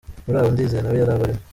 Muri abo Ndizeye na we yari abarimo.